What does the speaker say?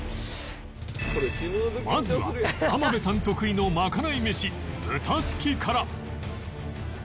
まずは濱邊さん得意のまかない飯豚すきから